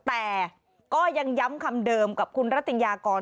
แต่ก็ยังย้ำคำเดิมกับคุณรัตยากร